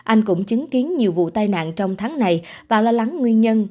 anh cũng chứng kiến nhiều vụ tai nạn trong tháng này và lo lắng nguyên nhân